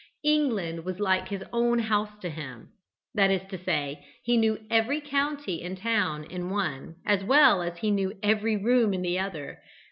England was like his own house to him; that is to say, he knew every county and town in one as well as he knew every room in the other.